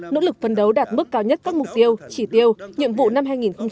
nỗ lực phân đấu đạt mức cao nhất các mục tiêu chỉ tiêu nhiệm vụ năm hai nghìn hai mươi